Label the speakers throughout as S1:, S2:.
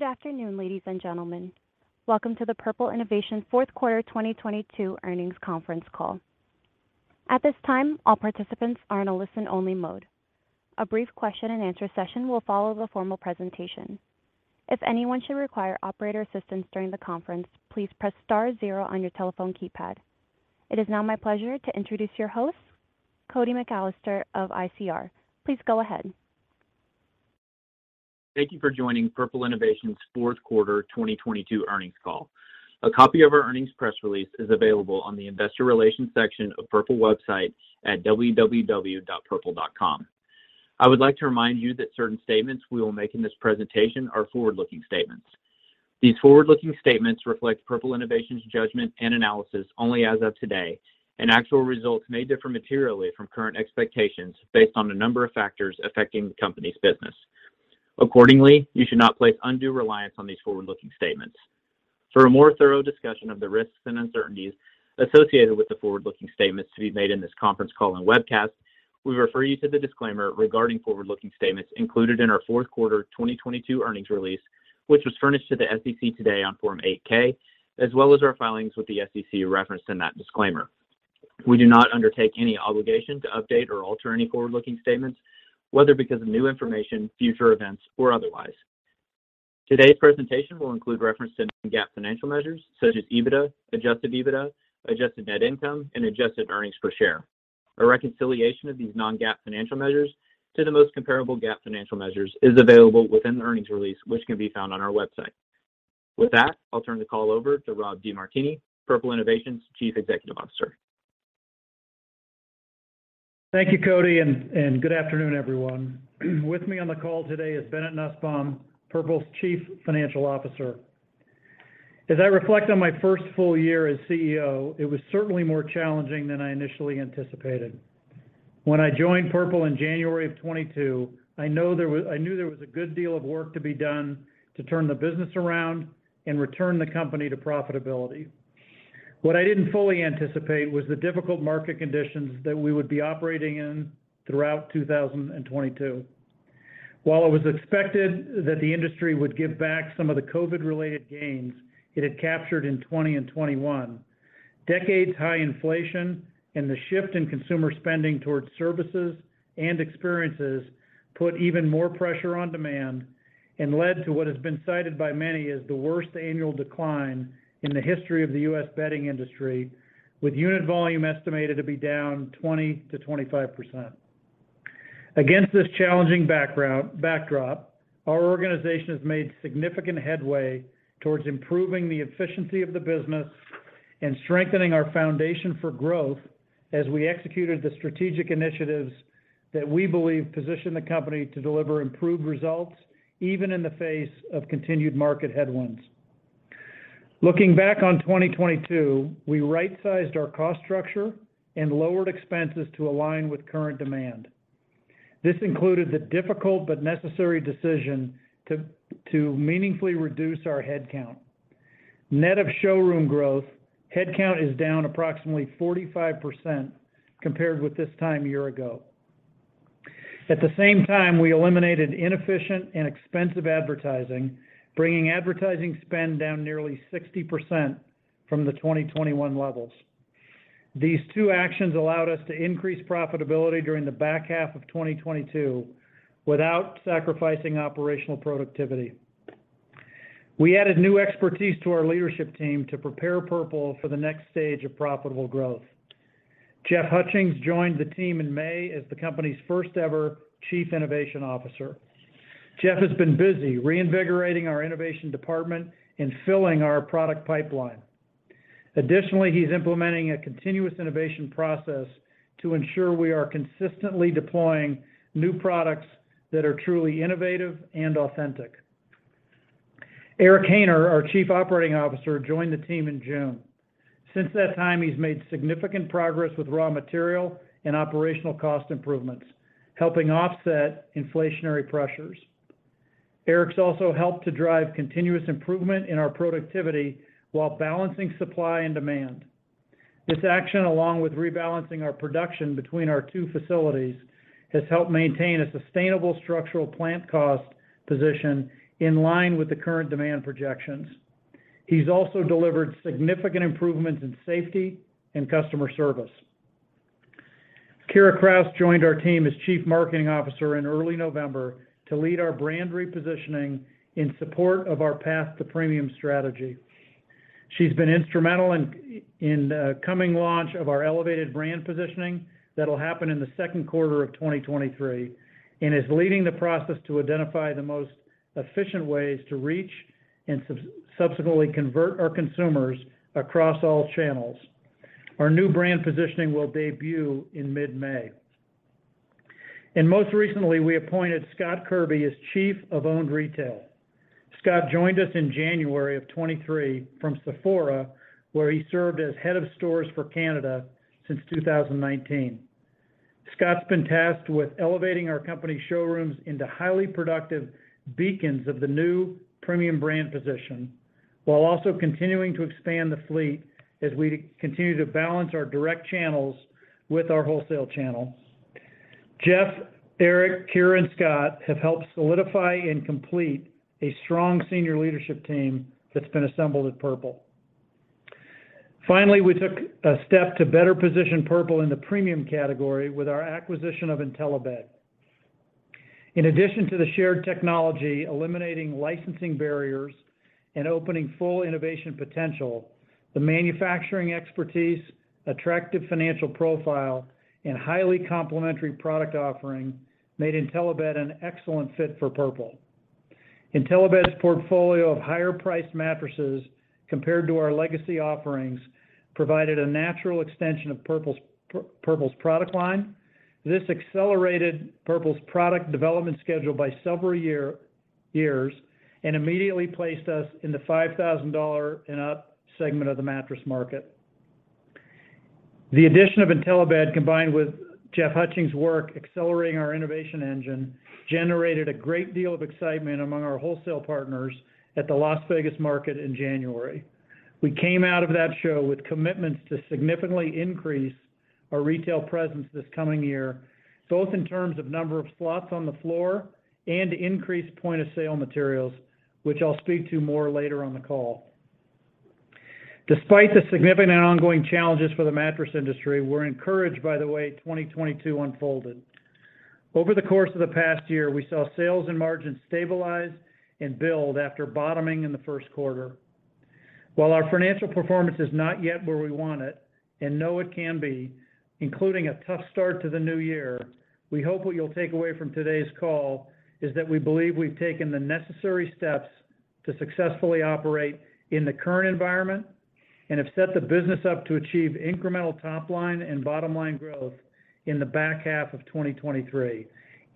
S1: Good afternoon, ladies and gentlemen. Welcome to the Purple Innovation's fourth quarter 2022 earnings conference call. At this time, all participants are in a listen-only mode. A brief question and answer session will follow the formal presentation. If anyone should require operator assistance during the conference, please press star zero on your telephone keypad. It is now my pleasure to introduce your host, Cody McAllister of ICR. Please go ahead.
S2: Thank you for joining Purple Innovation's fourth quarter 2022 earnings call. A copy of our earnings press release is available on the investor relations section of Purple's website at www.purple.com. I would like to remind you that certain statements we will make in this presentation are forward-looking statements. These forward-looking statements reflect Purple Innovation's judgment and analysis only as of today, and actual results may differ materially from current expectations based on a number of factors affecting the company's business. Accordingly, you should not place undue reliance on these forward-looking statements. For a more thorough discussion of the risks and uncertainties associated with the forward-looking statements to be made in this conference call and webcast, we refer you to the disclaimer regarding forward-looking statements included in our fourth quarter 2022 earnings release, which was furnished to the SEC today on Form 8-K, as well as our filings with the SEC referenced in that disclaimer. We do not undertake any obligation to update or alter any forward-looking statements, whether because of new information, future events, or otherwise. Today's presentation will include reference to non-GAAP financial measures such as EBITDA, Adjusted EBITDA, Adjusted Net Income, and Adjusted Earnings Per Share. A reconciliation of these non-GAAP financial measures to the most comparable GAAP financial measures is available within the earnings release, which can be found on our website. With that, I'll turn the call over to Rob DeMartini, Purple Innovation Chief Executive Officer.
S3: Thank you, Cody, and good afternoon, everyone. With me on the call today is Bennett Nussbaum, Purple's Chief Financial Officer. As I reflect on my first full year as CEO, it was certainly more challenging than I initially anticipated. When I joined Purple in January of 2022, I knew there was a good deal of work to be done to turn the business around and return the company to profitability. What I didn't fully anticipate was the difficult market conditions that we would be operating in throughout 2022. While it was expected that the industry would give back some of the COVID-related gains it had captured in 2020 and 2021, decades-high inflation and the shift in consumer spending towards services and experiences put even more pressure on demand and led to what has been cited by many as the worst annual decline in the history of the U.S. bedding industry, with unit volume estimated to be down 20%-25%. Against this challenging backdrop, our organization has made significant headway towards improving the efficiency of the business and strengthening our foundation for growth as we executed the strategic initiatives that we believe position the company to deliver improved results even in the face of continued market headwinds. Looking back on 2022, we right-sized our cost structure and lowered expenses to align with current demand. This included the difficult but necessary decision to meaningfully reduce our headcount. Net of showroom growth, headcount is down approximately 45% compared with this time a year ago. At the same time, we eliminated inefficient and expensive advertising, bringing advertising spend down nearly 60% from the 2021 levels. These two actions allowed us to increase profitability during the back half of 2022 without sacrificing operational productivity. We added new expertise to our leadership team to prepare Purple for the next stage of profitable growth. Jeff Hutchings joined the team in May as the company's first ever Chief Innovation Officer. Jeff has been busy reinvigorating our innovation department and filling our product pipeline. Additionally, he's implementing a continuous innovation process to ensure we are consistently deploying new products that are truly innovative and authentic. Eric Haynor, our Chief Operating Officer, joined the team in June. Since that time, he's made significant progress with raw material and operational cost improvements, helping offset inflationary pressures. Eric's also helped to drive continuous improvement in our productivity while balancing supply and demand. This action, along with rebalancing our production between our two facilities, has helped maintain a sustainable structural plant cost position in line with the current demand projections. He's also delivered significant improvements in safety and customer service. Keira Krausz joined our team as Chief Marketing Officer in early November to lead our brand repositioning in support of our path to premium strategy. She's been instrumental in the coming launch of our elevated brand positioning that'll happen in the second quarter of 2023, and is leading the process to identify the most efficient ways to reach and subsequently convert our consumers across all channels. Our new brand positioning will debut in mid-May. Most recently, we appointed Scott Kerby as Chief of Owned Retail. Scott joined us in January of 2023 from Sephora, where he served as head of stores for Canada since 2019. Scott's been tasked with elevating our company's showrooms into highly productive beacons of the new premium brand position while also continuing to expand the fleet as we continue to balance our direct channels with our wholesale channels. Jeff, Eric, Keira, and Scott have helped solidify and complete a strong senior leadership team that's been assembled at Purple. Finally, we took a step to better position Purple in the premium category with our acquisition of Intellibed. In addition to the shared technology, eliminating licensing barriers, and opening full innovation potential, the manufacturing expertise, attractive financial profile, and highly complimentary product offering made Intellibed an excellent fit for Purple. Intellibed's portfolio of higher-priced mattresses compared to our legacy offerings provided a natural extension of Purple's product line. This accelerated Purple's product development schedule by several years, and immediately placed us in the $5,000 and up segment of the mattress market. The addition of Intellibed, combined with Jeff Hutchings' work accelerating our innovation engine, generated a great deal of excitement among our wholesale partners at the Las Vegas market in January. We came out of that show with commitments to significantly increase our retail presence this coming year, both in terms of number of slots on the floor and increased point of sale materials, which I'll speak to more later on the call. Despite the significant and ongoing challenges for the mattress industry, we're encouraged by the way 2022 unfolded. Over the course of the past year, we saw sales and margins stabilize and build after bottoming in the first quarter. While our financial performance is not yet where we want it and know it can be, including a tough start to the new year, we hope what you'll take away from today's call is that we believe we've taken the necessary steps to successfully operate in the current environment and have set the business up to achieve incremental top line and bottom line growth in the back half of 2023,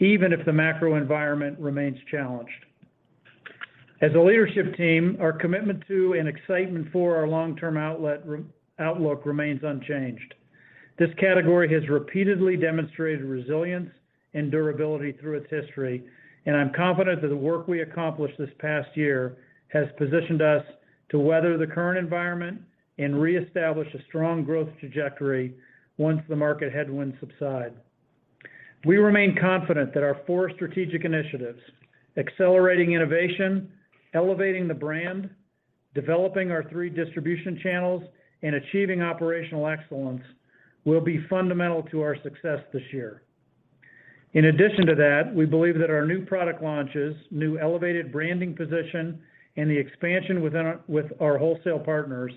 S3: even if the macro environment remains challenged. As a leadership team, our commitment to and excitement for our long-term outlook remains unchanged. This category has repeatedly demonstrated resilience and durability through its history. I'm confident that the work we accomplished this past year has positioned us to weather the current environment and reestablish a strong growth trajectory once the market headwinds subside. We remain confident that our four strategic initiatives, accelerating innovation, elevating the brand, developing our three distribution channels, and achieving operational excellence, will be fundamental to our success this year. In addition to that, we believe that our new product launches, new elevated branding position, and the expansion with our wholesale partners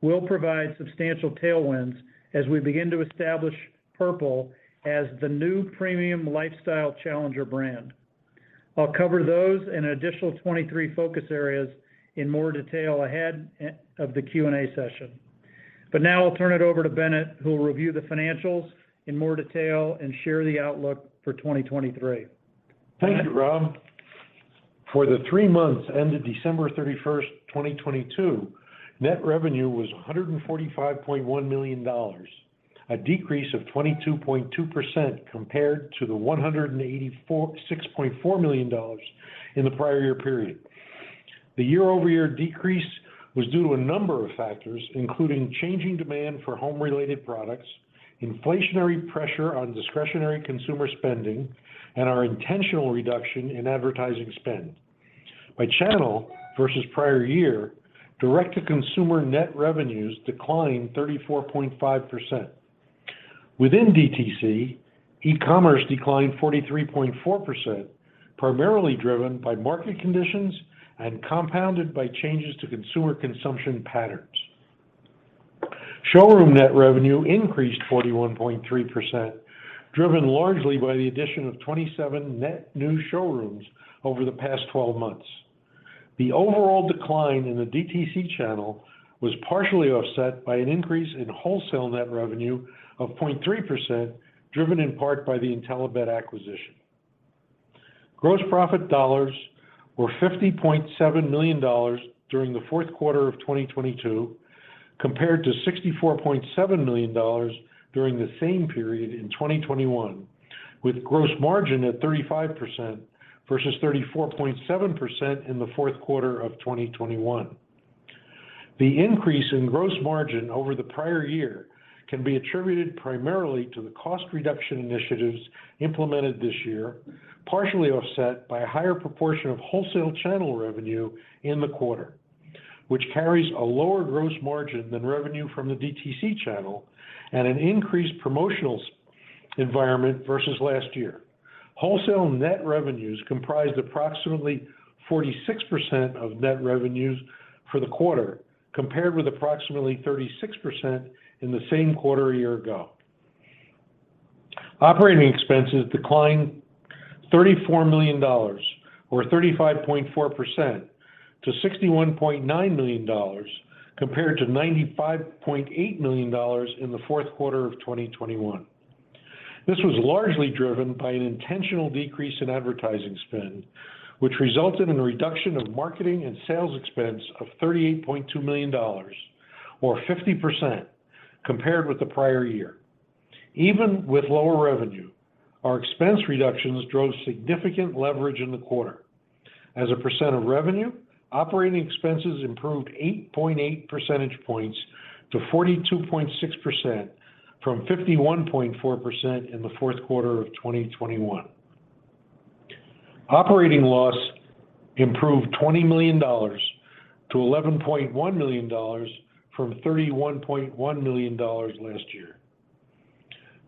S3: will provide substantial tailwinds as we begin to establish Purple as the new premium lifestyle challenger brand. I'll cover those and additional 2023 focus areas in more detail ahead of the Q&A session. Now I'll turn it over to Bennett, who will review the financials in more detail and share the outlook for 2023. Bennett?
S4: Thank you, Rob. For the 3 months ended December 31st, 2022, net revenue was $145.1 million, a decrease of 22.2% compared to the $186.4 million in the prior year period. The year-over-year decrease was due to a number of factors, including changing demand for home-related products, inflationary pressure on discretionary consumer spending, and our intentional reduction in advertising spend. By channel versus prior year, direct-to-consumer net revenues declined 34.5%. Within DTC, e-commerce declined 43.4%, primarily driven by market conditions and compounded by changes to consumer consumption patterns. Showroom net revenue increased 41.3%, driven largely by the addition of 27 net new showrooms over the past 12 months. The overall decline in the DTC channel was partially offset by an increase in wholesale net revenue of 0.3%, driven in part by the Intellibed acquisition. Gross profit dollars were $50.7 million during the fourth quarter of 2022, compared to $64.7 million during the same period in 2021, with gross margin at 35% versus 34.7% in the fourth quarter of 2021. The increase in gross margin over the prior year can be attributed primarily to the cost reduction initiatives implemented this year, partially offset by a higher proportion of wholesale channel revenue in the quarter, which carries a lower gross margin than revenue from the DTC channel and an increased promotionals environment versus last year. Wholesale net revenues comprised approximately 46% of net revenues for the quarter, compared with approximately 36% in the same quarter a year ago. Operating expenses declined $34 million or 35.4% to $61.9 million, compared to $95.8 million in the fourth quarter of 2021. This was largely driven by an intentional decrease in advertising spend, which resulted in a reduction of marketing and sales expense of $38.2 million, or 50% compared with the prior year. Even with lower revenue, our expense reductions drove significant leverage in the quarter. As a percent of revenue, operating expenses improved 8.8 percentage points to 42.6% from 51.4% in the fourth quarter of 2021. Operating loss improved $20 million to $11.1 million from $31.1 million last year.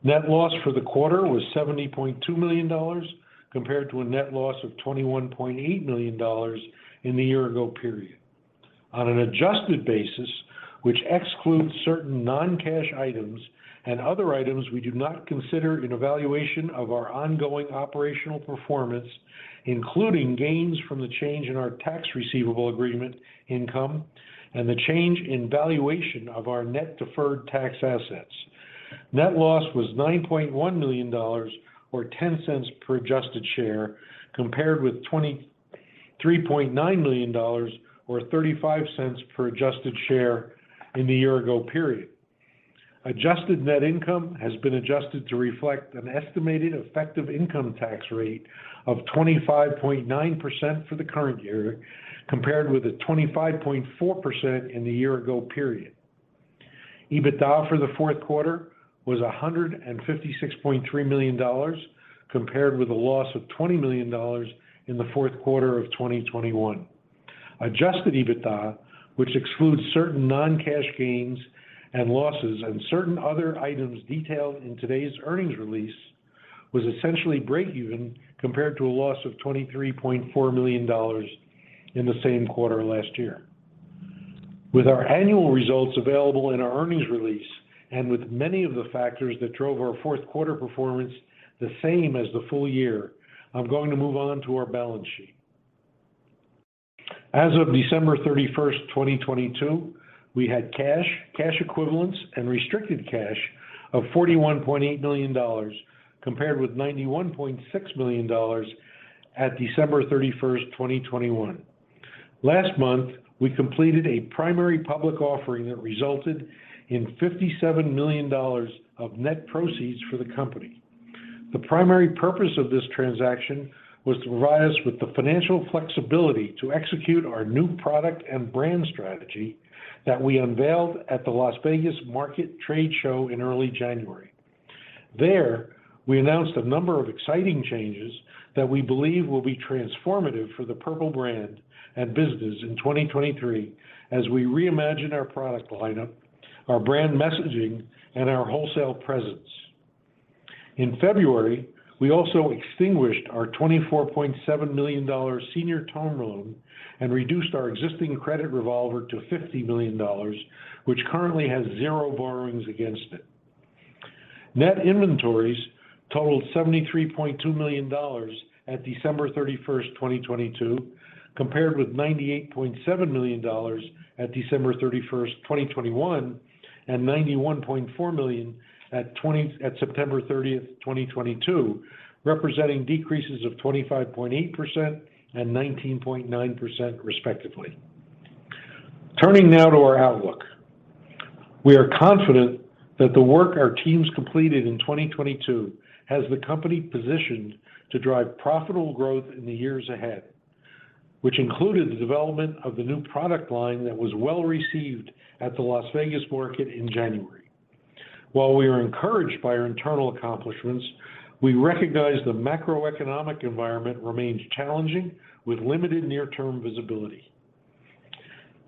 S4: Net loss for the quarter was $70.2 million compared to a net loss of $21.8 million in the year ago period. On an adjusted basis, which excludes certain non-cash items and other items we do not consider in evaluation of our ongoing operational performance, including gains from the change in our Tax Receivable Agreement income and the change in valuation of our net deferred tax assets. Net loss was $9.1 million or $0.10 per adjusted share, compared with $23.9 million or $0.35 per adjusted share in the year ago period. Adjusted Net Income has been adjusted to reflect an estimated effective income tax rate of 25.9% for the current year, compared with a 25.4% in the year-ago period. EBITDA for the fourth quarter was $156.3 million, compared with a loss of $20 million in the fourth quarter of 2021. Adjusted EBITDA, which excludes certain non-cash gains and losses and certain other items detailed in today's earnings release, was essentially breakeven compared to a loss of $23.4 million in the same quarter last year. With our annual results available in our earnings release and with many of the factors that drove our fourth quarter performance the same as the full year, I'm going to move on to our balance sheet. As of December 31st, 2022, we had cash equivalents, and restricted cash of $41.8 million, compared with $91.6 million at December 31st, 2021. Last month, we completed a primary public offering that resulted in $57 million of net proceeds for the company. The primary purpose of this transaction was to provide us with the financial flexibility to execute our new product and brand strategy that we unveiled at the Las Vegas market trade show in early January. There, we announced a number of exciting changes that we believe will be transformative for the Purple brand and business in 2023 as we reimagine our product lineup, our brand messaging, and our wholesale presence. In February, we also extinguished our $24.7 million senior term loan and reduced our existing credit revolver to $50 million, which currently has 0 borrowings against it. Net inventories totaled $73.2 million at December 31st, 2022, compared with $98.7 million at December 31st, 2021, and $91.4 million at September 30th, 2022, representing decreases of 25.8% and 19.9% respectively. Turning now to our outlook. We are confident that the work our teams completed in 2022 has the company positioned to drive profitable growth in the years ahead, which included the development of the new product line that was well-received at the Las Vegas market in January. While we are encouraged by our internal accomplishments, we recognize the macroeconomic environment remains challenging with limited near-term visibility.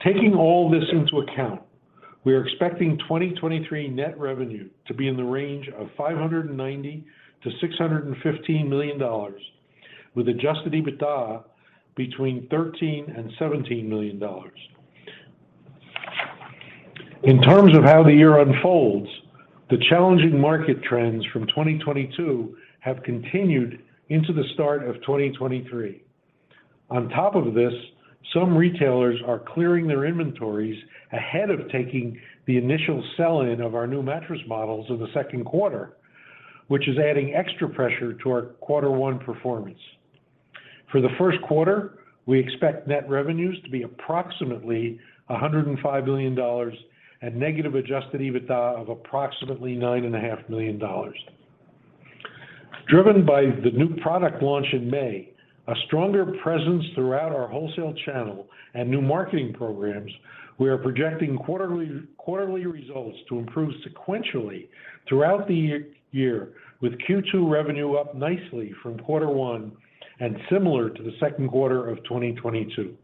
S4: Taking all this into account, we are expecting 2023 net revenue to be in the range of $590 million-$615 million with Adjusted EBITDA between $13 million and $17 million. In terms of how the year unfolds, the challenging market trends from 2022 have continued into the start of 2023. On top of this, some retailers are clearing their inventories ahead of taking the initial sell-in of our new mattress models in the second quarter, which is adding extra pressure to our quarter one performance. For the first quarter, we expect net revenues to be approximately $105 million and negative Adjusted EBITDA of approximately nine and a half million dollars. Driven by the new product launch in May, a stronger presence throughout our wholesale channel, and new marketing programs, we are projecting quarterly results to improve sequentially throughout the year, with Q2 revenue up nicely from Q1 and similar to the second quarter of 2022,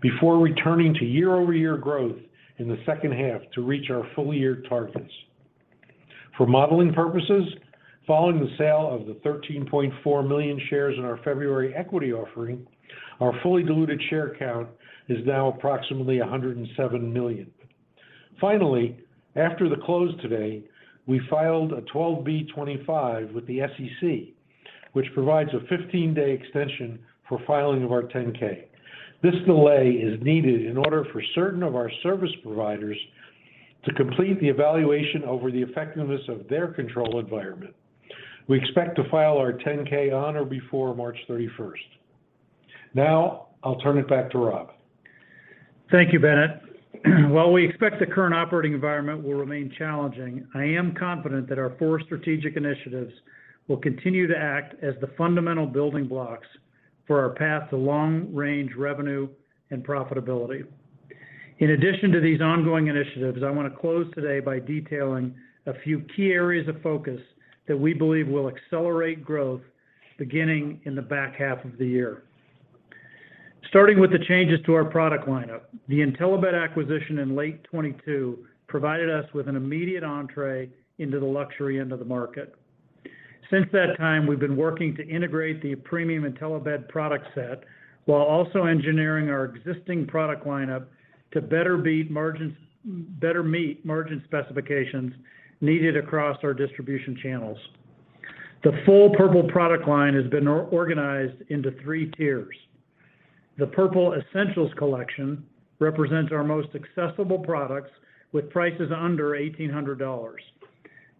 S4: before returning to year-over-year growth in the second half to reach our full-year targets. For modeling purposes, following the sale of the 13.4 million shares in our February equity offering, our fully diluted share count is now approximately 107 million. Finally, after the close today, we filed a 12b-25 with the SEC, which provides a 15-day extension for filing of our 10-K. This delay is needed in order for certain of our service providers to complete the evaluation over the effectiveness of their control environment. We expect to file our 10-K on or before March 31st. I'll turn it back to Rob.
S3: Thank you, Bennett. While we expect the current operating environment will remain challenging, I am confident that our 4 strategic initiatives will continue to act as the fundamental building blocks for our path to long-range revenue and profitability. In addition to these ongoing initiatives, I want to close today by detailing a few key areas of focus that we believe will accelerate growth beginning in the back half of the year. Starting with the changes to our product lineup, the Intellibed acquisition in late 2022 provided us with an immediate entree into the luxury end of the market. Since that time, we've been working to integrate the premium Intellibed product set while also engineering our existing product lineup to better meet margin specifications needed across our distribution channels. The full Purple product line has been organized into 3 tiers. The Purple Essentials collection represents our most accessible products with prices under $1,800.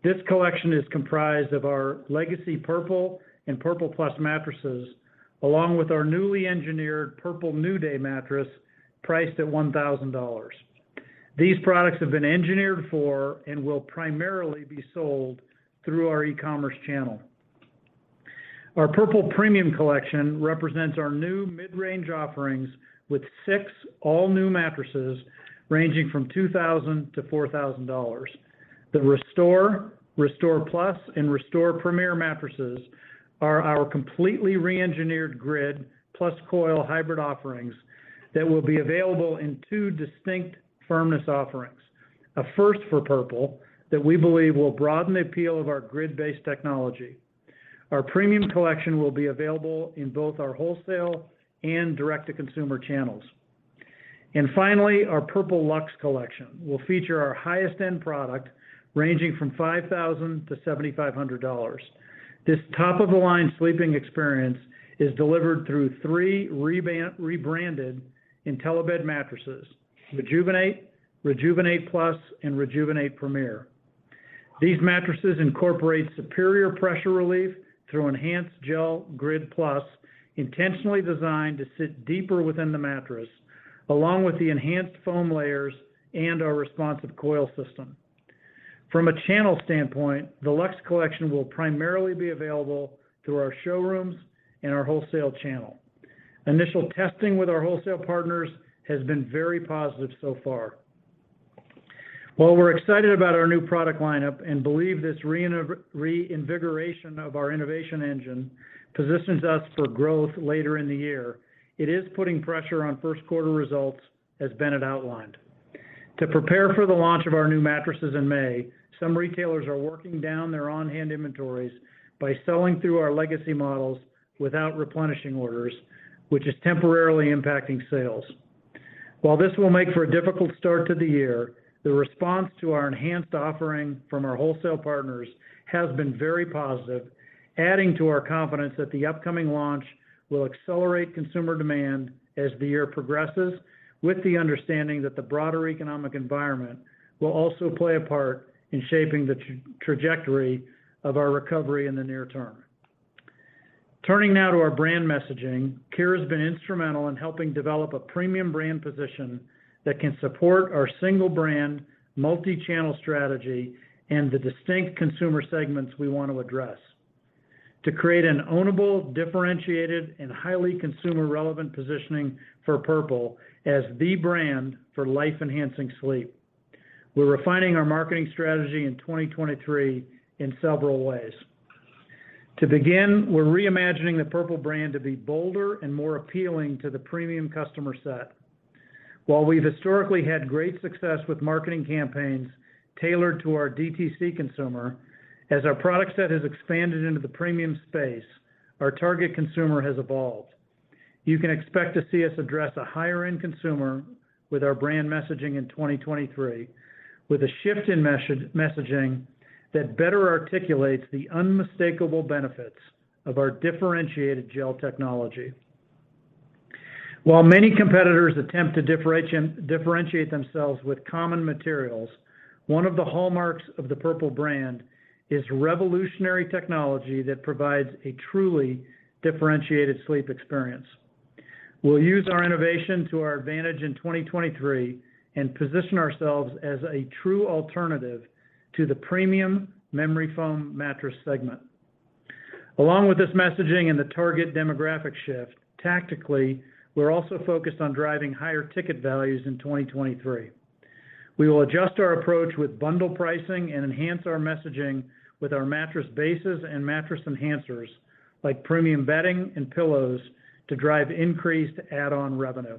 S3: This collection is comprised of our legacy Purple and Purple Plus mattresses, along with our newly engineered Purple NewDay mattress, priced at $1,000. These products have been engineered for and will primarily be sold through our e-commerce channel. Our Purple Premium collection represents our new mid-range offerings with six all new mattresses ranging from $2,000-$4,000. The Restore, RestorePlus, and RestorePremier mattresses are our completely re-engineered grid plus coil hybrid offerings that will be available in two distinct firmness offerings. A first for Purple that we believe will broaden the appeal of our grid-based technology. Our Premium collection will be available in both our wholesale and direct-to-consumer channels. Finally, our Purple Luxe collection will feature our highest-end product ranging from $5,000-$7,500. This top-of-the-line sleeping experience is delivered through three rebranded Intellibed mattresses: RejuvenatePlus, and RejuvenatePremier. These mattresses incorporate superior pressure relief through enhanced gel grid plus, intentionally designed to sit deeper within the mattress, along with the enhanced foam layers and our responsive coil system. From a channel standpoint, the Luxe collection will primarily be available through our showrooms and our wholesale channel. Initial testing with our wholesale partners has been very positive so far. While we're excited about our new product lineup and believe this reinvigoration of our innovation engine positions us for growth later in the year, it is putting pressure on first quarter results, as Bennett outlined. To prepare for the launch of our new mattresses in May, some retailers are working down their on-hand inventories by selling through our legacy models without replenishing orders, which is temporarily impacting sales. While this will make for a difficult start to the year, the response to our enhanced offering from our wholesale partners has been very positive, adding to our confidence that the upcoming launch will accelerate consumer demand as the year progresses, with the understanding that the broader economic environment will also play a part in shaping the trajectory of our recovery in the near term. Turning now to our brand messaging, Keira has been instrumental in helping develop a premium brand position that can support our single brand, multi-channel strategy and the distinct consumer segments we want to address. To create an ownable, differentiated, and highly consumer-relevant positioning for Purple as the brand for life-enhancing sleep. We're refining our marketing strategy in 2023 in several ways. To begin, we're reimagining the Purple brand to be bolder and more appealing to the premium customer set. While we've historically had great success with marketing campaigns tailored to our DTC consumer, as our product set has expanded into the premium space, our target consumer has evolved. You can expect to see us address a higher-end consumer with our brand messaging in 2023 with a shift in messaging that better articulates the unmistakable benefits of our differentiated gel technology. While many competitors attempt to differentiate themselves with common materials, one of the hallmarks of the Purple brand is revolutionary technology that provides a truly differentiated sleep experience. We'll use our innovation to our advantage in 2023 and position ourselves as a true alternative to the premium memory foam mattress segment. Along with this messaging and the target demographic shift, tactically, we're also focused on driving higher ticket values in 2023. We will adjust our approach with bundle pricing and enhance our messaging with our mattress bases and mattress enhancers like premium bedding and pillows to drive increased add-on revenue.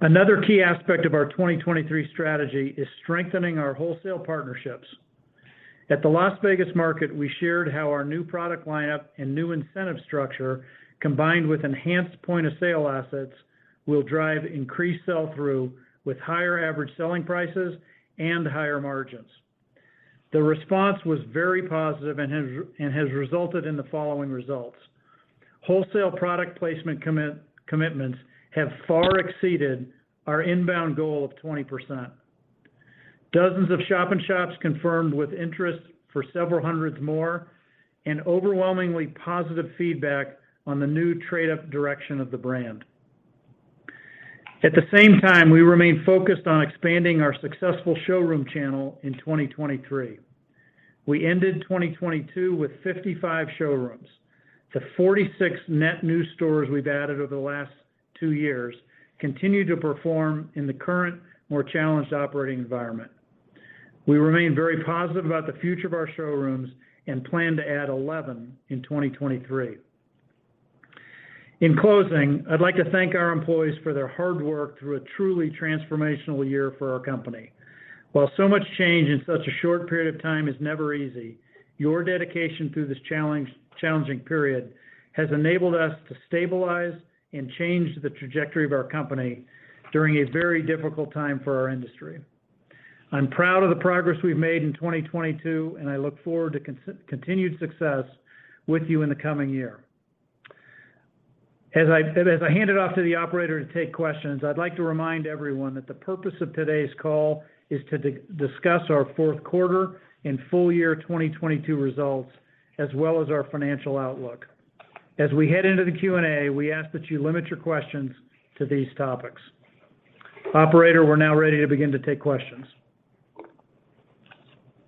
S3: Another key aspect of our 2023 strategy is strengthening our wholesale partnerships. At the Las Vegas market, we shared how our new product lineup and new incentive structure, combined with enhanced point-of-sale assets, will drive increased sell-through with higher average selling prices and higher margins. The response was very positive and has resulted in the following results. Wholesale product placement commitments have far exceeded our inbound goal of 20%. Dozens of shop-in-shops confirmed with interest for several hundreds more and overwhelmingly positive feedback on the new trade-up direction of the brand. At the same time, we remain focused on expanding our successful showroom channel in 2023. We ended 2022 with 55 showrooms. The 46 net new stores we've added over the last two years continue to perform in the current, more challenged operating environment. We remain very positive about the future of our showrooms and plan to add 11 in 2023. In closing, I'd like to thank our employees for their hard work through a truly transformational year for our company. While so much change in such a short period of time is never easy, your dedication through this challenging period has enabled us to stabilize and change the trajectory of our company during a very difficult time for our industry. I'm proud of the progress we've made in 2022, and I look forward to continued success with you in the coming year. As I hand it off to the operator to take questions, I'd like to remind everyone that the purpose of today's call is to discuss our fourth quarter and full year 2022 results, as well as our financial outlook. As we head into the Q&A, we ask that you limit your questions to these topics. Operator, we're now ready to begin to take questions.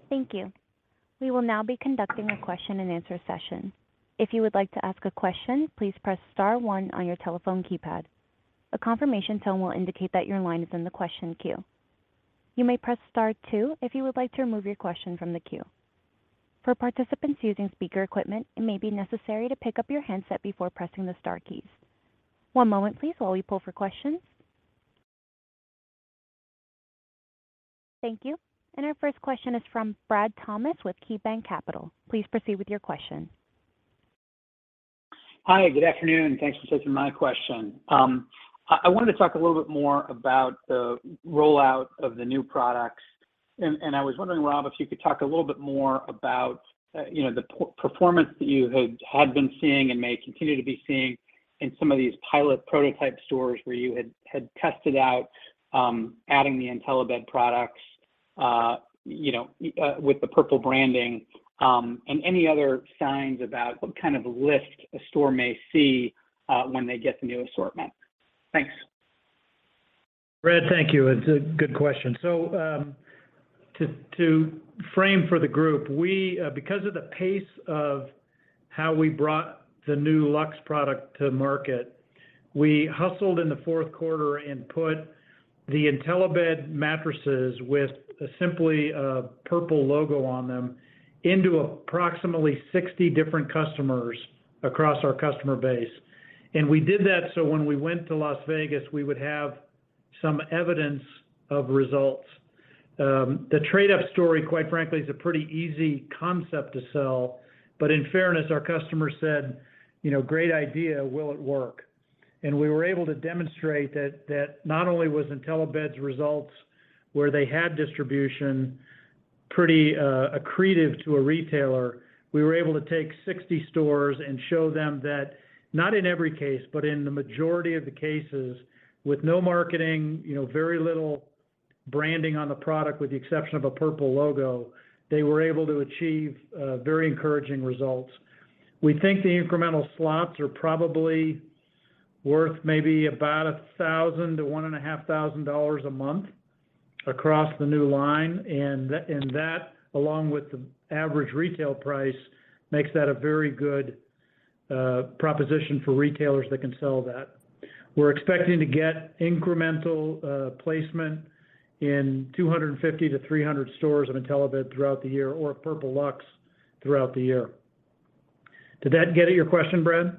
S1: Thank you. We will now be conducting a question and answer session. If you would like to ask a question, please press star one on your telephone keypad. A confirmation tone will indicate that your line is in the question queue. You may press star two if you would like to remove your question from the queue. For participants using speaker equipment, it may be necessary to pick up your handset before pressing the star keys. One moment please while we pull for questions. Thank you. Our first question is from Brad Thomas with KeyBanc Capital. Please proceed with your question.
S5: Hi, good afternoon, and thanks for taking my question. I wanted to talk a little bit more about the rollout of the new products. I was wondering, Rob, if you could talk a little bit more about, you know, the performance that you had been seeing and may continue to be seeing in some of these pilot prototype stores where you had tested out, adding the Intellibed products, you know, with the Purple branding, and any other signs about what kind of lift a store may see, when they get the new assortment? Thanks.
S3: Brad, thank you. It's a good question. To frame for the group, we because of the pace of how we brought the new Luxe product to market, we hustled in the fourth quarter and put the Intellibed mattresses with simply a Purple logo on them into approximately 60 different customers across our customer base. We did that so when we went to Las Vegas, we would have some evidence of results. The trade-up story, quite frankly, is a pretty easy concept to sell, but in fairness, our customers said, "You know, great idea. Will it work?" We were able to demonstrate that not only was Intellibed's results where they had distribution pretty accretive to a retailer, we were able to take 60 stores and show them that not in every case, but in the majority of the cases, with no marketing, you know, very little branding on the product, with the exception of a Purple logo, they were able to achieve very encouraging results. We think the incremental slots are probably worth maybe about $1,000-$1,500 a month across the new line. That along with the average retail price, makes that a very good proposition for retailers that can sell that. We're expecting to get incremental placement in 250 to 300 stores of Intellibed throughout the year or Purple Luxe throughout the year. Did that get at your question, Brad?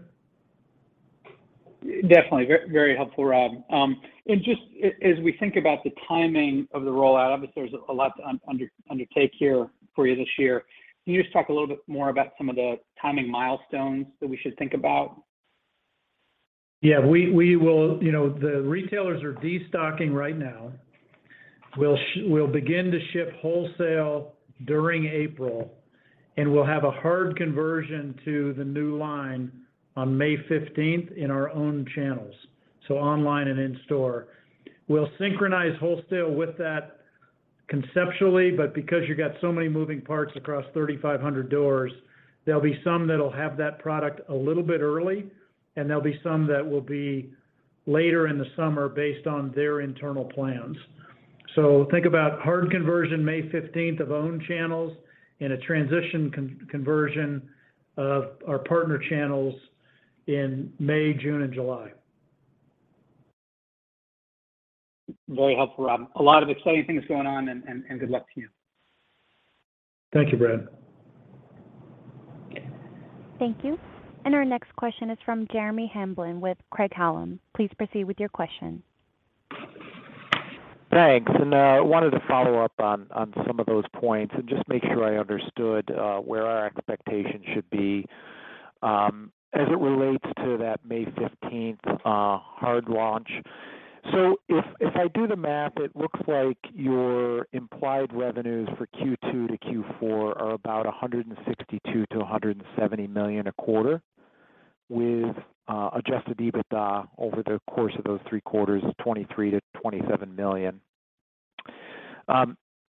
S5: Definitely. Very helpful, Rob. Just as we think about the timing of the rollout, obviously there's a lot to undertake here for you this year. Can you just talk a little bit more about some of the timing milestones that we should think about?
S3: We will... You know, the retailers are destocking right now. We'll begin to ship wholesale during April. We'll have a hard conversion to the new line on May 15th in our own channels, so online and in store. We'll synchronize wholesale with that conceptually. Because you've got so many moving parts across 3,500 doors, there'll be some that'll have that product a little bit early, and there'll be some that will be later in the summer based on their internal plans. Think about hard conversion May 15th of own channels and a transition conversion of our partner channels in May, June and July.
S5: Very helpful, Rob. A lot of exciting things going on and good luck to you.
S3: Thank you, Brad.
S1: Thank you. Our next question is from Jeremy Hamblin with Craig-Hallum. Please proceed with your question.
S6: Thanks. Wanted to follow up on some of those points and just make sure I understood where our expectations should be as it relates to that May 15th hard launch. If I do the math, it looks like your implied revenues for Q2 to Q4 are about $162 million-$170 million a quarter. With Adjusted EBITDA over the course of those three quarters of $23 million-$27 million.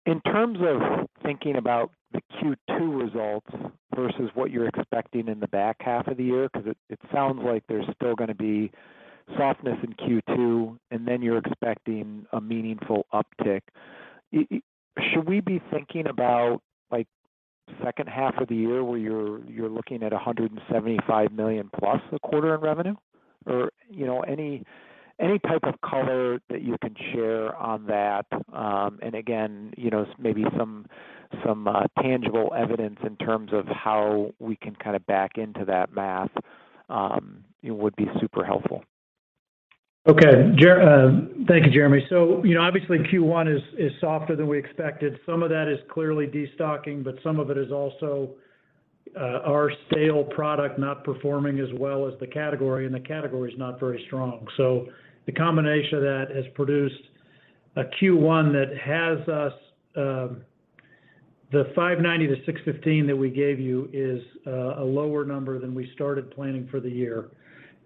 S6: In terms of thinking about the Q2 results versus what you're expecting in the back half of the year, 'cause it sounds like there's still gonna be softness in Q2, and then you're expecting a meaningful uptick. Should we be thinking about like second half of the year where you're looking at $175 million+ a quarter in revenue? You know, any type of color that you can share on that, again, you know, maybe some tangible evidence in terms of how we can kind of back into that math, it would be super helpful.
S3: Okay. Thank you, Jeremy. You know, obviously Q1 is softer than we expected. Some of that is clearly destocking, but some of it is also, our stale product not performing as well as the category, and the category is not very strong. The combination of that has produced a Q1 that has us, the $590-$615 that we gave you is a lower number than we started planning for the year,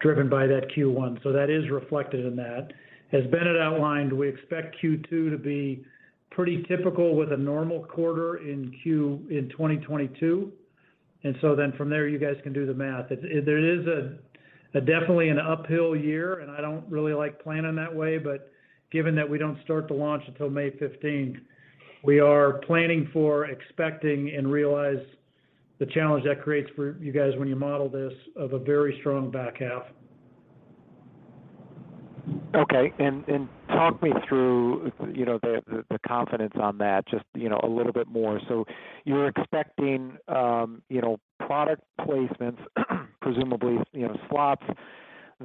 S3: driven by that Q1. That is reflected in that. As Bennett outlined, we expect Q2 to be pretty typical with a normal quarter in 2022. From there, you guys can do the math. There is a definitely an uphill year. I don't really like planning that way. Given that we don't start the launch until May 15th, we are planning for expecting and realize the challenge that creates for you guys when you model this of a very strong back half.
S6: Okay. Talk me through, you know, the confidence on that just, you know, a little bit more. You're expecting, you know, product placements, presumably, you know, slots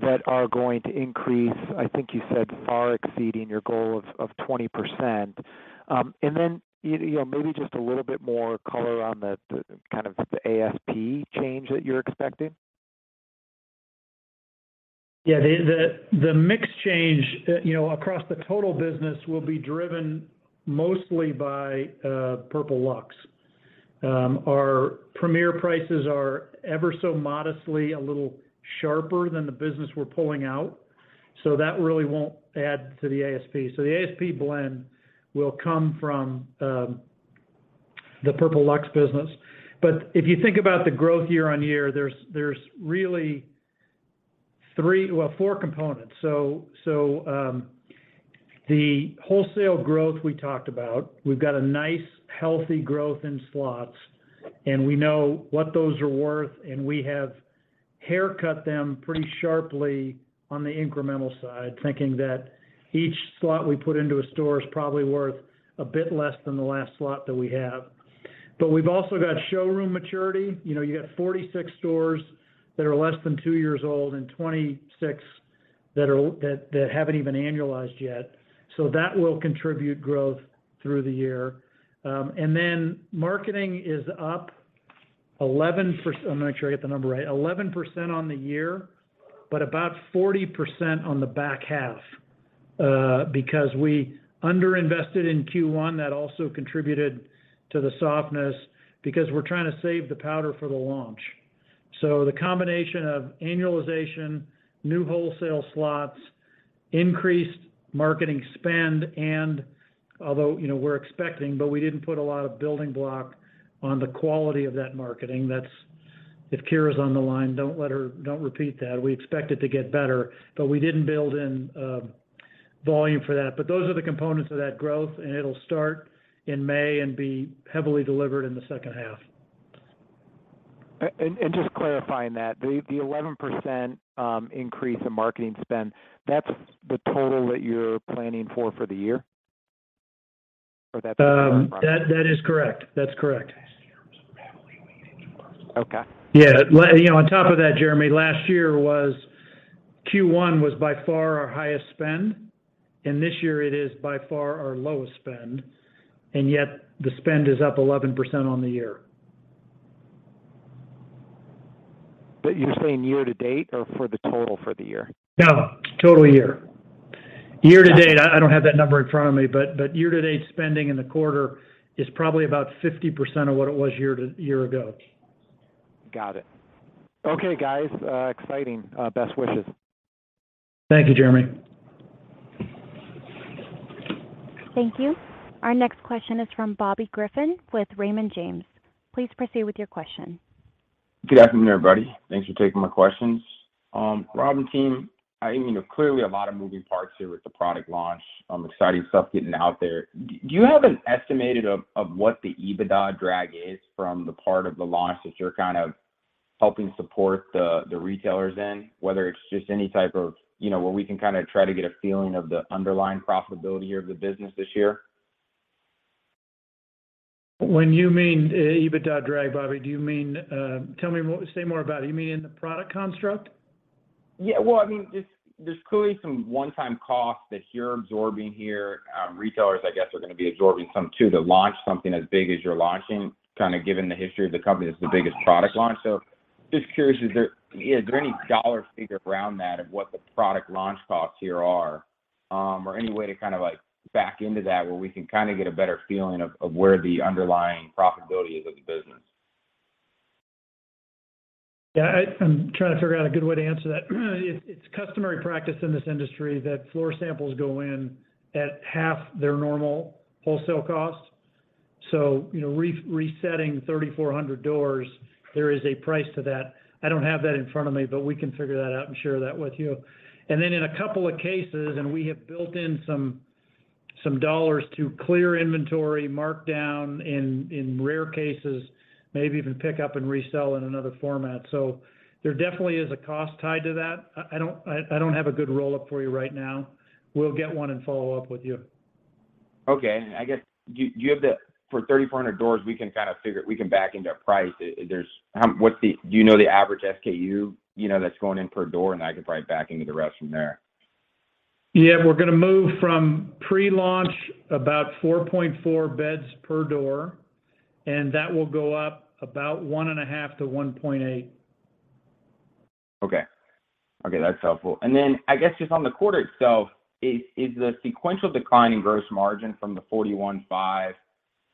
S6: that are going to increase, I think you said, far exceeding your goal of 20%. Then, you know, maybe just a little bit more color on the, kind of the ASP change that you're expecting.
S3: Yeah. The mix change, you know, across the total business will be driven mostly by Purple Luxe. Our premier prices are ever so modestly a little sharper than the business we're pulling out, so that really won't add to the ASP. The ASP blend will come from the Purple Luxe business. If you think about the growth year-on-year, there's really three, well, four components. The wholesale growth we talked about, we've got a nice healthy growth in slots, and we know what those are worth, and we have haircut them pretty sharply on the incremental side, thinking that each slot we put into a store is probably worth a bit less than the last slot that we have. We've also got showroom maturity. You know, you got 46 stores that are less than 2 years old and 26 that haven't even annualized yet. That will contribute growth through the year. Then marketing is up 11%... I'm gonna make sure I get the number right. 11% on the year, but about 40% on the back half, because we underinvested in Q1. That also contributed to the softness because we're trying to save the powder for the launch. The combination of annualization, new wholesale slots, increased marketing spend, and although, you know, we're expecting, but we didn't put a lot of building block on the quality of that marketing. If Keira's on the line, don't repeat that. We expect it to get better, but we didn't build in volume for that. Those are the components of that growth, and it'll start in May and be heavily delivered in the second half.
S6: Just clarifying that, the 11% increase in marketing spend, that's the total that you're planning for for the year?
S3: That is correct. That's correct.
S6: Okay.
S4: Yeah. you know, on top of that, Jeremy, last year was Q1 was by far our highest spend, and this year it is by far our lowest spend, and yet the spend is up 11% on the year.
S6: You're saying year to date or for the total for the year?
S4: No, total year. Year to date, I don't have that number in front of me, but year to date spending in the quarter is probably about 50% of what it was year ago.
S6: Got it. Okay, guys, exciting. Best wishes.
S3: Thank you, Jeremy.
S1: Thank you. Our next question is from Bobby Griffin with Raymond James. Please proceed with your question.
S7: Good afternoon, everybody. Thanks for taking my questions. Rob and team, I mean, there's clearly a lot of moving parts here with the product launch, exciting stuff getting out there. Do you have an estimated of what the EBITDA drag is from the part of the launch that you're kind of helping support the retailers in, whether it's just any type of, you know, where we can kind of try to get a feeling of the underlying profitability of the business this year?
S3: When you mean EBITDA drag, Bobby, do you mean? Say more about it. You mean in the product construct?
S7: Yeah. Well, I mean, just there's clearly some one-time costs that you're absorbing here. Retailers, I guess, are gonna be absorbing some too, to launch something as big as you're launching, kind of given the history of the company, that's the biggest product launch. Just curious, Is there any dollar figure around that of what the product launch costs here are? Or any way to kind of, like, back into that where we can kind of get a better feeling of where the underlying profitability is of the business?
S3: Yeah. I'm trying to figure out a good way to answer that. It's customary practice in this industry that floor samples go in at half their normal wholesale cost. You know, resetting 3,400 doors, there is a price to that. I don't have that in front of me, we can figure that out and share that with you. In a couple of cases, and we have built in some dollars to clear inventory, mark down, in rare cases, maybe even pick up and resell in another format. There definitely is a cost tied to that. I don't have a good roll-up for you right now. We'll get one and follow up with you.
S7: Okay. I guess, do you have the for 3,400 doors, we can kind of figure, we can back into a price. Do you know the average SKU, you know, that's going in per door? I could probably back into the rest from there.
S3: Yeah. We're gonna move from pre-launch, about 4.4 beds per door. That will go up about 1.5-1.8.
S7: Okay. Okay, that's helpful. Then I guess just on the quarter itself, is the sequential decline in gross margin from the 41.5% to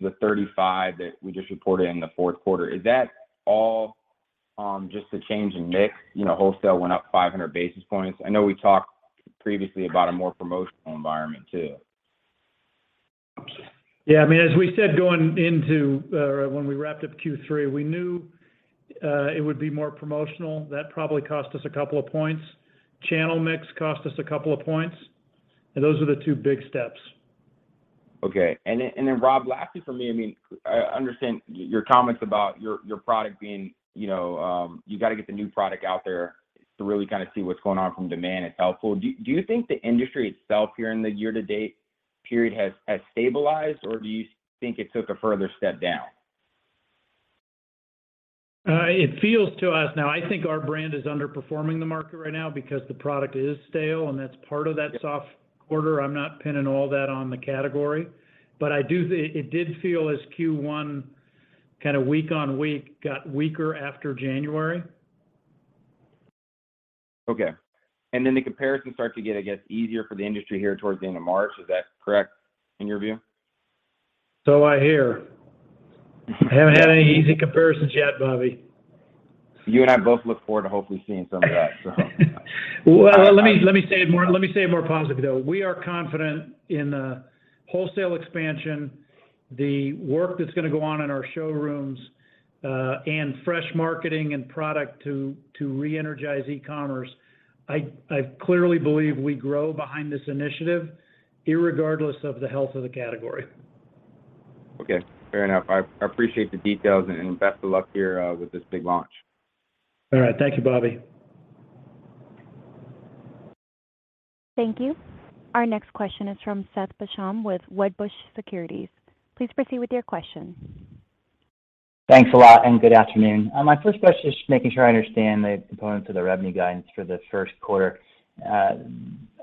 S7: the 35% that we just reported in the fourth quarter, is that all just the change in mix? You know, wholesale went up 500 basis points. I know we talked previously about a more promotional environment too.
S3: Yeah, I mean, as we said, going into, when we wrapped up Q3, we knew, it would be more promotional. That probably cost us a couple of points. Channel mix cost us a couple of points. Those are the two big steps.
S7: Okay. Rob, lastly from me, I mean, I understand your comments about your product being, you know, you gotta get the new product out there to really kind of see what's going on from demand. It's helpful. Do you think the industry itself here in the year to date period has stabilized, or do you think it took a further step down?
S3: It feels to us. I think our brand is underperforming the market right now because the product is stale, and that's part of that soft quarter. I'm not pinning all that on the category. It did feel as Q1 kind of week on week got weaker after January.
S7: Okay. Then the comparisons start to get, I guess, easier for the industry here towards the end of March. Is that correct in your view?
S3: I hear. I haven't had any easy comparisons yet, Bobby.
S7: You and I both look forward to hopefully seeing some of that, so.
S3: Well, let me say it more positive, though. We are confident in the wholesale expansion, the work that's gonna go on in our showrooms, and fresh marketing and product to re-energize e-commerce. I clearly believe we grow behind this initiative irregardless of the health of the category.
S7: Okay, fair enough. I appreciate the details and best of luck here, with this big launch.
S3: All right. Thank you, Bobby.
S1: Thank you. Our next question is from Seth Basham with Wedbush Securities. Please proceed with your question.
S8: Thanks a lot. Good afternoon. My first question is just making sure I understand the components of the revenue guidance for the first quarter.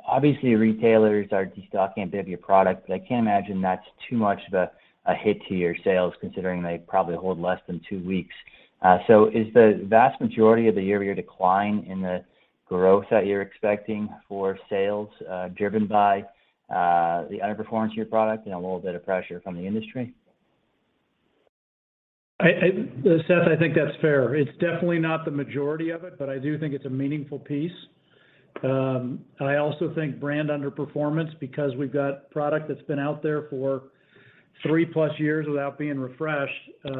S8: Obviously, retailers are destocking a bit of your product, but I can't imagine that's too much of a hit to your sales, considering they probably hold less than two weeks. Is the vast majority of the year-over-year decline in the growth that you're expecting for sales, driven by the underperformance of your product and a little bit of pressure from the industry?
S3: Seth, I think that's fair. It's definitely not the majority of it, but I do think it's a meaningful piece. I also think brand underperformance because we've got product that's been out there for 3+ years without being refreshed, is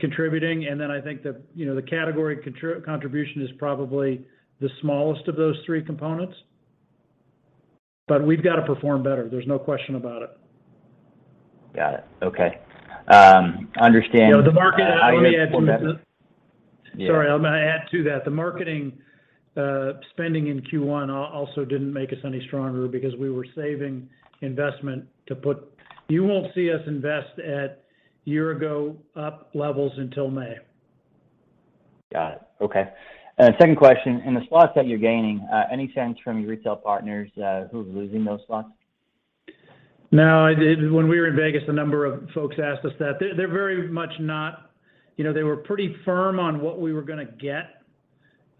S3: contributing. Then I think the, you know, the category contribution is probably the smallest of those three components. We've got to perform better, there's no question about it.
S8: Got it. Okay.
S3: You know, the market, let me add to that.
S8: items perform better. Yeah.
S3: Sorry, I'm gonna add to that. The marketing, also spending in Q1 didn't make us any stronger because we were saving investment to put. You won't see us invest at year ago up levels until May.
S8: Got it. Okay. Second question. In the slots that you're gaining, any sense from your retail partners, who's losing those slots?
S3: No. When we were in Vegas, a number of folks asked us that. They're very much not. You know, they were pretty firm on what we were gonna get.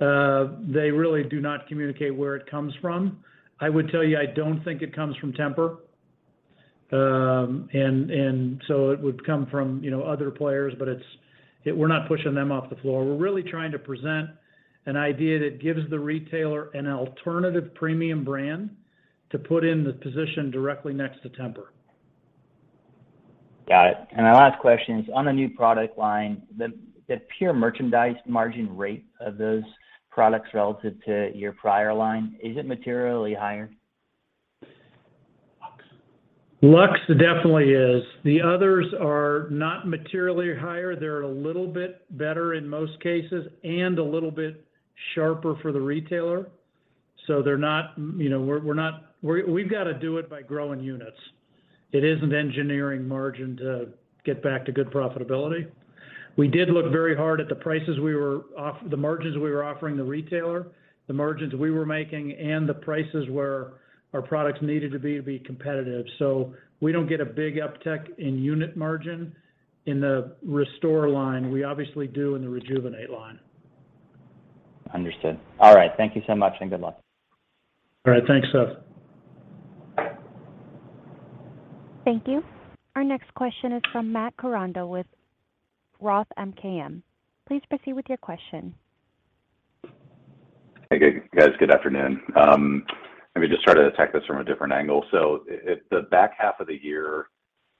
S3: They really do not communicate where it comes from. I would tell you, I don't think it comes from Tempur. It would come from, you know, other players, but we're not pushing them off the floor. We're really trying to present an idea that gives the retailer an alternative premium brand to put in the position directly next to Tempur.
S8: Got it. My last question is, on the new product line, the pure merchandise margin rate of those products relative to your prior line, is it materially higher?
S3: Luxe definitely is. The others are not materially higher. They're a little bit better in most cases and a little bit sharper for the retailer. They're not. You know, we're not. We've got to do it by growing units. It isn't engineering margin to get back to good profitability. We did look very hard at the margins we were offering the retailer, the margins we were making, and the prices where our products needed to be to be competitive. We don't get a big uptick in unit margin in the Restore line. We obviously do in the Rejuvenate line.
S8: Understood. All right. Thank you so much, and good luck.
S3: All right. Thanks, Seth.
S1: Thank you. Our next question is from Matt Koranda with Roth MKM. Please proceed with your question.
S9: Hey, guys. Good afternoon. Let me just try to attack this from a different angle. If the back half of the year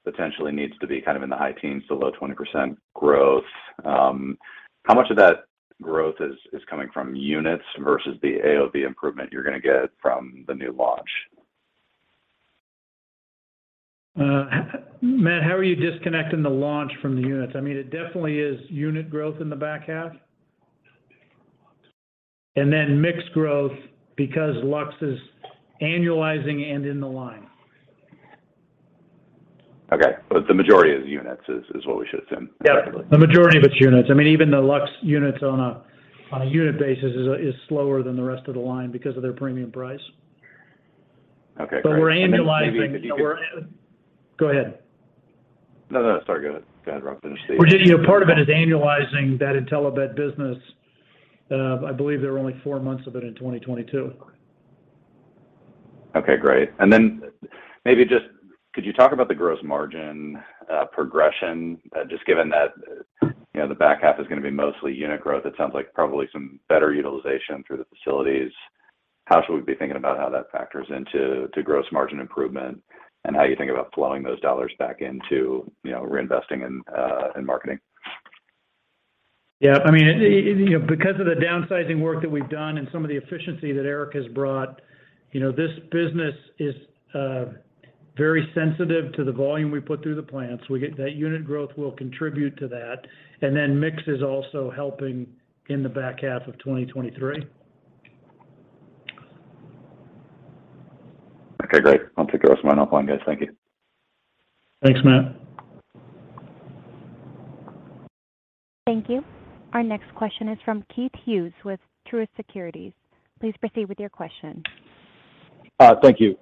S9: potentially needs to be kind of in the high 10s-low 20% growth, how much of that growth is coming from units versus the AOV improvement you're gonna get from the new launch?
S3: Matt, how are you disconnecting the launch from the units? I mean, it definitely is unit growth in the back half. Mixed growth because Luxe is annualizing and in the line.
S9: Okay. The majority is units is what we should assume, effectively?
S3: Yeah. The majority of it's units. I mean, even the Luxe units on a unit basis is slower than the rest of the line because of their premium price.
S9: Okay, great. Maybe if you could-
S3: We're annualizing. Go ahead.
S9: No. Sorry, go ahead, Rob. Finish.
S3: Part of it is annualizing that Intellibed business. I believe there were only four months of it in 2022.
S9: Okay, great. Then maybe just could you talk about the gross margin progression just given that, you know, the back half is gonna be mostly unit growth. It sounds like probably some better utilization through the facilities. How should we be thinking about how that factors into gross margin improvement and how you think about flowing those dollars back into, you know, reinvesting in marketing?
S3: Yeah. I mean, you know, because of the downsizing work that we've done and some of the efficiency that Eric has brought, you know, this business is very sensitive to the volume we put through the plants. That unit growth will contribute to that. Mix is also helping in the back half of 2023.
S9: Okay, great. I'll take the rest of my time offline, guys. Thank you.
S3: Thanks, Matt.
S1: Thank you. Our next question is from Keith Hughes with Truist Securities. Please proceed with your question.
S10: Thank you.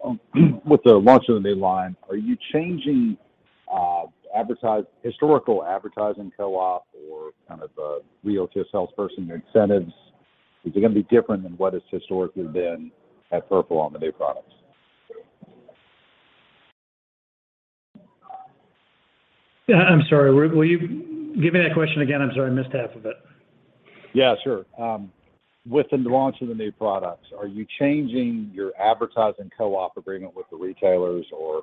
S10: With the launch of the new line, are you changing historical advertising co-op or kind of, real to a salesperson incentives? Is it gonna be different than what it's historically been at Purple on the new products?
S3: I'm sorry. Will you give me that question again? I'm sorry, I missed half of it.
S10: Yeah, sure. With the launch of the new products, are you changing your advertising co-op agreement with the retailers or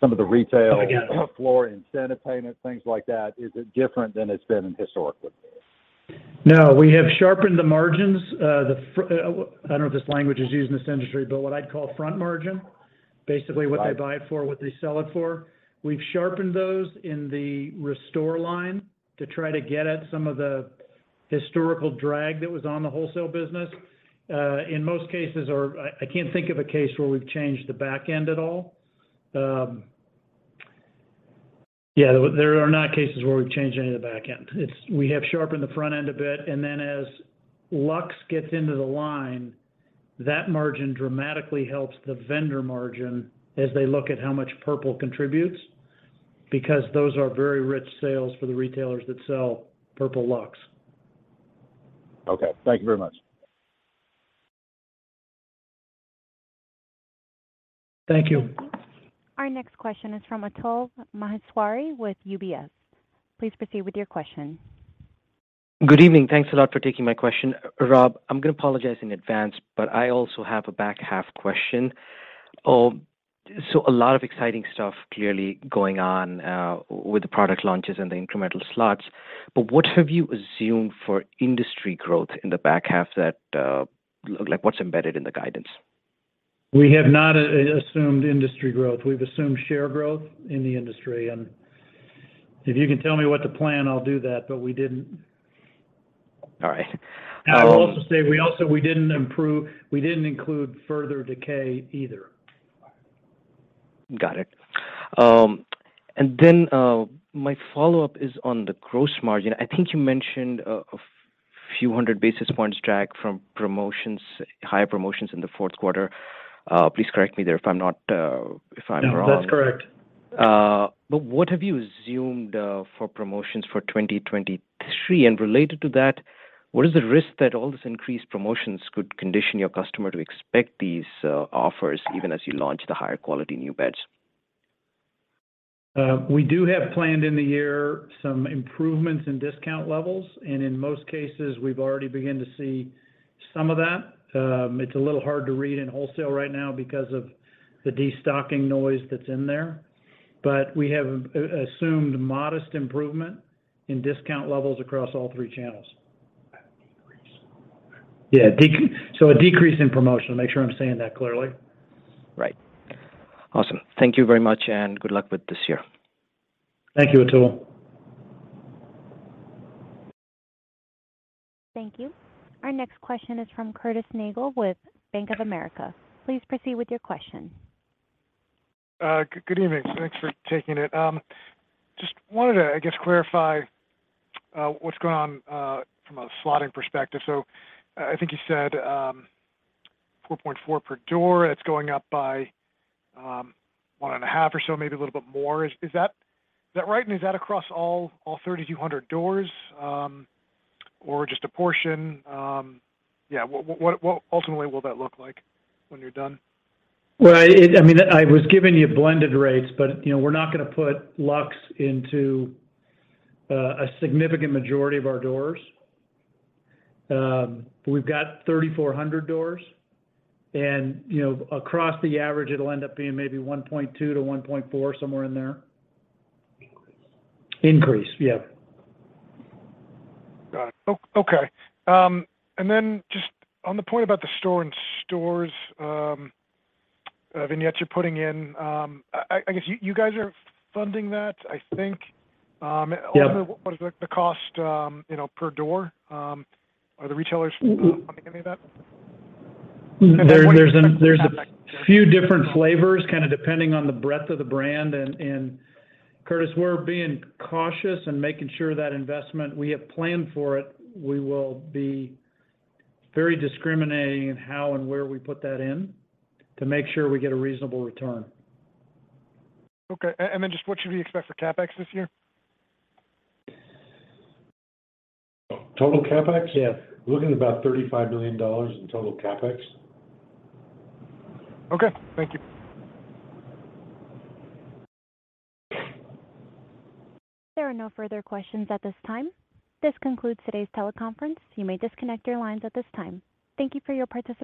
S10: some of the retail-?
S3: Come again?
S10: floor incentive payments, things like that? Is it different than it's been historically?
S3: No. We have sharpened the margins. I don't know if this language is used in this industry, but what I'd call front margin. Basically what they buy it for, what they sell it for. We've sharpened those in the Restore line to try to get at some of the historical drag that was on the wholesale business. In most cases, or I can't think of a case where we've changed the back end at all. Yeah, there are not cases where we've changed any of the back end. We have sharpened the front end a bit and then as Luxe gets into the line, that margin dramatically helps the vendor margin as they look at how much Purple contributes, because those are very rich sales for the retailers that sell Purple Luxe.
S10: Okay. Thank you very much.
S3: Thank you.
S1: Our next question is from Atul Maheshwari with UBS. Please proceed with your question.
S11: Good evening. Thanks a lot for taking my question. Rob, I'm gonna apologize in advance, but I also have a back half question. A lot of exciting stuff clearly going on with the product launches and the incremental slots. What have you assumed for industry growth in the back half that... Like, what's embedded in the guidance?
S3: We have not assumed industry growth. We've assumed share growth in the industry. If you can tell me what to plan, I'll do that, but we didn't.
S11: All right.
S3: I will also say, we didn't include further decay either.
S11: Got it. My follow-up is on the gross margin. I think you mentioned a few hundred basis points drag from promotions, higher promotions in the fourth quarter. Please correct me there if I'm not if I'm wrong.
S3: No, that's correct.
S11: What have you assumed for promotions for 2023? Related to that, what is the risk that all this increased promotions could condition your customer to expect these offers even as you launch the higher quality new beds?
S3: We do have planned in the year some improvements in discount levels, and in most cases, we've already begun to see some of that. It's a little hard to read in wholesale right now because of the destocking noise that's in there. We have assumed modest improvement in discount levels across all three channels.
S9: A decrease.
S3: Yeah. A decrease in promotion, to make sure I'm saying that clearly.
S11: Right. Awesome. Thank you very much, and good luck with this year.
S3: Thank you, Atul.
S1: Thank you. Our next question is from Curtis Nagle with Bank of America. Please proceed with your question.
S12: Good evening. Thanks for taking it. Just wanted to, I guess, clarify what's going on from a slotting perspective. I think you said 4.4 per door. It's going up by one and a half or so, maybe a little bit more. Is that right? Is that across all 3,200 doors or just a portion? Yeah, what ultimately will that look like when you're done?
S3: Well, I mean, I was giving you blended rates, but, you know, we're not gonna put Luxe into a significant majority of our doors. We've got 3,400 doors and, you know, across the average, it'll end up being maybe 1.2-1.4, somewhere in there.
S12: Increase.
S3: Increase, yeah.
S12: Got it. Okay. Then just on the point about the store in stores, vignettes you guys are funding that, I think.
S3: Yeah.
S12: What is the, what is like the cost, you know, per door? Are the retailers funding any of that?
S3: There's a few different flavors, kind of depending on the breadth of the brand. Curtis, we're being cautious and making sure that investment, we have planned for it, we will be very discriminating in how and where we put that in to make sure we get a reasonable return.
S12: Okay. Just what should we expect for CapEx this year?
S4: Total CapEx?
S12: Yeah.
S4: Looking about $35 million in total CapEx.
S12: Okay. Thank you.
S1: There are no further questions at this time. This concludes today's teleconference. You may disconnect your lines at this time. Thank you for your participation.